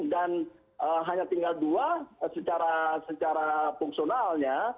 dan hanya tinggal dua secara fungsionalnya